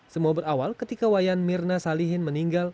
semua berawal ketika wayan mirna salihin meninggal